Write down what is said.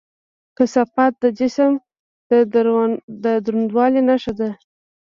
کثافت د جسم د دروندوالي نښه ده.